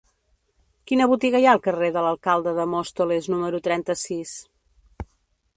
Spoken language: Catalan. Quina botiga hi ha al carrer de l'Alcalde de Móstoles número trenta-sis?